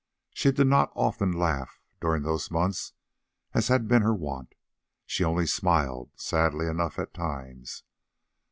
She did not often laugh during those months as had been her wont, she only smiled, sadly enough at times.